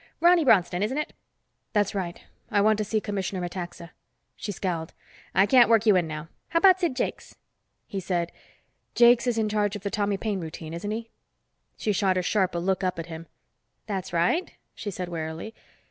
"Ronny Bronston, isn't it?" "That's right. I want to see Commissioner Metaxa." She scowled. "I can't work you in now. How about Sid Jakes?" He said, "Jakes is in charge of the Tommy Paine routine, isn't he?" She shot a sharper look up at him. "That's right," she said warily.